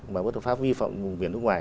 mà bất hợp pháp vi phạm vùng biển nước ngoài